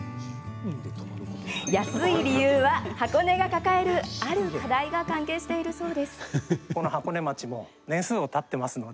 安い理由は、箱根が抱えるある課題が関係しているそう。